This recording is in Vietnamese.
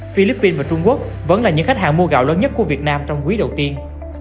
philippines và trung quốc vẫn là những khách hàng mua gạo lớn nhất của việt nam trong quý đầu tiên